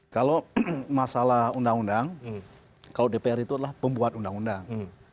kalau masalah undang undang kalau dpr itu adalah pembuat undang undang